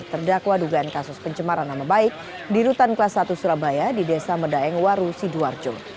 terdakwa dugaan kasus pencemaran nama baik di rutan kelas satu surabaya di desa medaeng waru sidoarjo